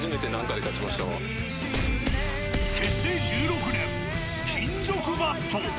結成１６年、金属バット。